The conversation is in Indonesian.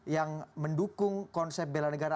yang mendukung konsep bela negara